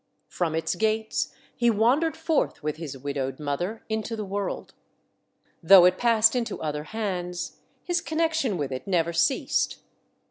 From its gates he wandered forth with his widowed mother into the world. Though it passed into other hands, his connection with it never ceased.